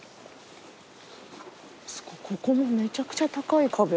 ここもめちゃくちゃ高い壁が。